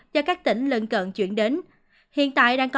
do các tỉnh lân cận chuyển đến